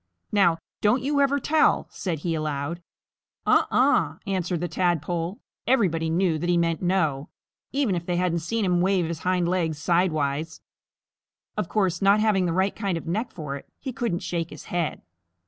"Now, don't you ever tell," said he aloud. "Uh uh!" answered the Tadpole, and everybody knew that he meant "No," even if they hadn't seen him wave his hindlegs sidewise. Of course, not having the right kind of neck for it, he couldn't shake his head.